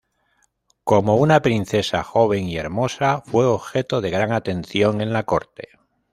Como una princesa joven y hermosa, fue objeto de gran atención en la corte.